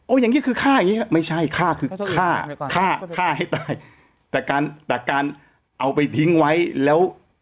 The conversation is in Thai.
อย่างงี้คือฆ่าอย่างงี้ฮะไม่ใช่ฆ่าคือฆ่าฆ่าฆ่าให้ตายแต่การแต่การเอาไปทิ้งไว้แล้ว